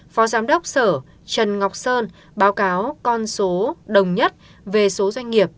phó giám đốc sở trần ngọc sơn báo cáo con số đồng nhất về số doanh nghiệp